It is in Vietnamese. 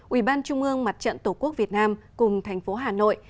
ủy ban trung ương mặt trận tổ quốc việt nam cùng thành phố hà nội